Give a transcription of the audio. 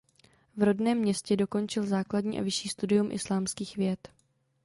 V rodném městě dokončil základní a vyšší studium islámských věd.